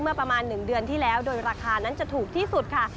เมื่อประมาณ๑เดือนที่แล้วโดยราคานั้นจะถูกที่สุดค่ะ